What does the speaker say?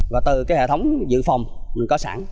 và từ cái hệ thống dự phòng mình có sẵn